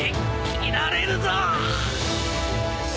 斬られるぞ！